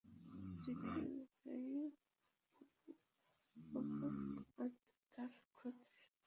রীতি অনুযায়ী বনু আবদ আদ-দার গোত্রের একটি দল মক্কার বাহিনীর পতাকা বহন করছিল।